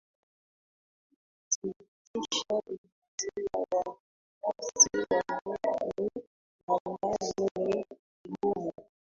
Kuthibitisha idadi ya wafuasi wa dini mbalimbali ni vigumu